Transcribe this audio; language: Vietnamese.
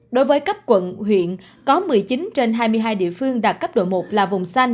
đối với cấp quận huyện có một mươi chín trên hai mươi hai địa phương đạt cấp độ một là vùng xanh